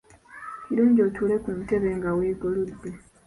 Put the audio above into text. Kirungi otuule ku ntebe nga weegolodde .